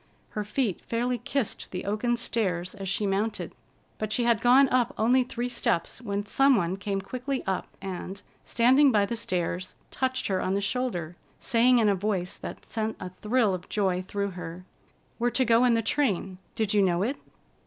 Her feet fairly kissed the oaken stairs as she mounted; but she had gone up only three steps when some one came quickly up and, standing by the stairs, touched her on the shoulder, saying in a voice that sent a thrill of joy through her: "We're to go in the train; did you know it?"